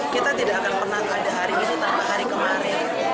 kita tidak akan pernah ada hari ini tanpa hari kemarin